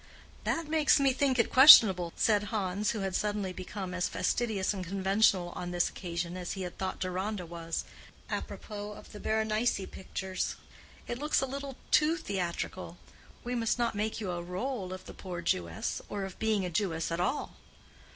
"That makes me think it questionable," said Hans, who had suddenly become as fastidious and conventional on this occasion as he had thought Deronda was, apropos of the Berenice pictures. "It looks a little too theatrical. We must not make you a rôle of the poor Jewess—or of being a Jewess at all."